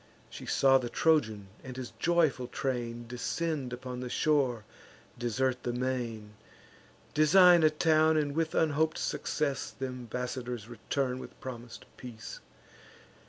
She saw the Trojan and his joyful train Descend upon the shore, desert the main, Design a town, and, with unhop'd success, Th' embassadors return with promis'd peace.